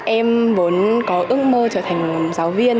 em muốn có ước mơ trở thành giáo viên